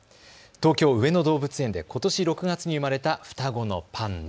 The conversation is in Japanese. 東京、上野動物園でことし６月に生まれた双子のパンダ。